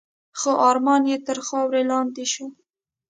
خو ارمان یې تر خاورو لاندي شو .